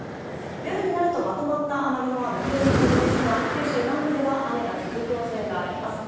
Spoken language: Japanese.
夜になると、まとまった雨雲は抜ける見込みですが九州南部では雨が続く恐れがあります。